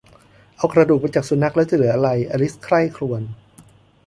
เอากระดูกไปจากสุนัข แล้วจะเหลืออะไร อลิสใคร่ครวญ